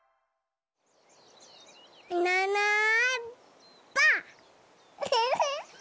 いないいないばあっ！